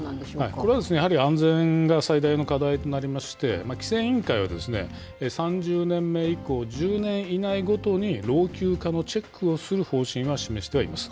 これはやはり安全が最大の課題となりまして、規制委員会は、３０年目以降１０年以内ごとに、老朽化のチェックをする方針は示してはいます。